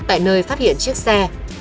tại nơi phát hiện chiếc xe